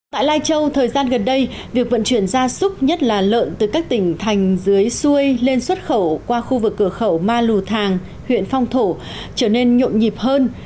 tại lai châu thời gian gần đây việc vận chuyển gia súc nhất là lợn từ các tỉnh thành dưới xuôi lên xuất khẩu qua khu vực cửa khẩu ma lù thàng huyện phong thổ trở nên nhộn nhịp hơn